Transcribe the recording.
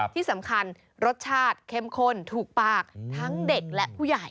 ที่สำคัญรสชาติเข้มข้นถูกปากทั้งเด็กและผู้ใหญ่